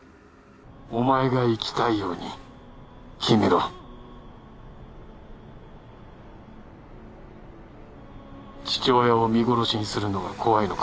お前が生きたいように決めろ父親を見殺しにするのが怖いのか？